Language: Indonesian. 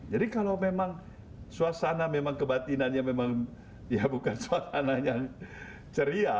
jadi kalau memang suasana memang kebatinannya memang ya bukan suasana yang ceria